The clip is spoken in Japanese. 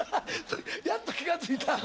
やっと気が付いた。